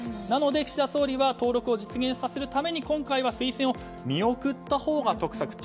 なので岸田総理は登録を実現させるために今回は推薦を見送ったほうが得策。